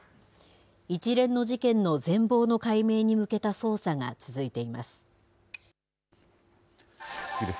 一連の事件の全貌の解明に向けた捜査が続いています。